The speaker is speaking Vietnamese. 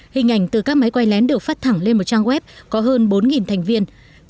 hình ảnh từ các máy quay lén được phát thẳng lên một trang web có hơn bốn thành viên